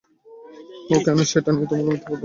ও কেন সেটা নিয়ে তোমাকে মিথ্যা কথা বলবে?